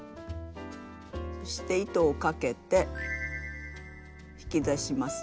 そして糸をかけて引き出します。